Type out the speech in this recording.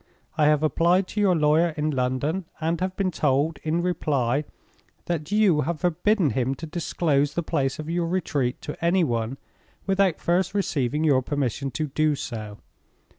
I have applied to your lawyer in London, and have been told, in reply, that you have forbidden him to disclose the place of your retreat to any one without first receiving your permission to do so.